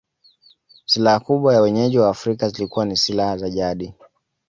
Silaha kubwa za wenyeji wa Afrika zilikuwa ni silaha za jadi